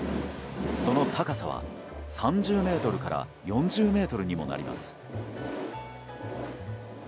その高さは３０ｍから４０ｍにもなります。